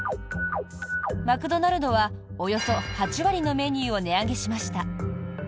マクドナルドはおよそ８割のメニューを値上げしました。